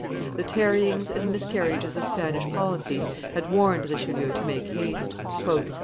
The tarryings and miscarriages of Spanish policy had warned Richelieu to make haste.